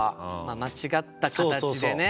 間違った形でね